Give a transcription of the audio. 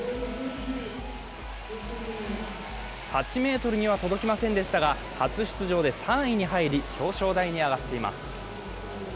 ８ｍには届きませんでしたが初出場で３位に入り、表彰台に上がっています。